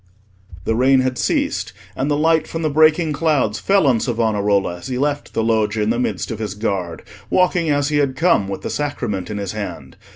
The rain had ceased, and the light from the breaking clouds fell on Savonarola as he left the Loggia in the midst of his guard, walking as he had come, with the Sacrament in his hand.